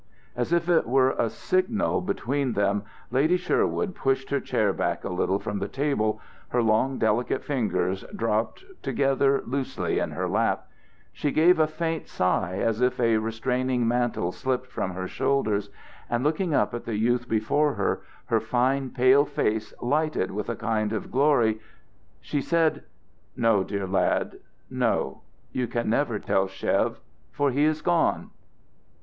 As if it were a signal between them, Lady Sherwood pushed her chair back a little from the table, her long delicate fingers dropped together loosely in her lap; she gave a faint sigh as if a restraining mantle slipped from her shoulders, and, looking up at the youth before her, her fine pale face lighted with a kind of glory, she said, "No, dear lad, no. You can never tell Chev, for he is gone."